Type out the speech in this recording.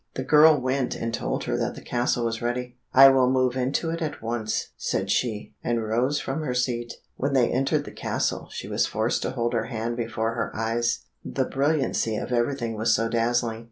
The girl went and told her that the castle was ready. "I will move into it at once," said she, and rose from her seat. When they entered the castle, she was forced to hold her hand before her eyes, the brilliancy of everything was so dazzling.